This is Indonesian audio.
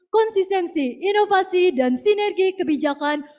konsistensi inovasi dan sinergi kebijakan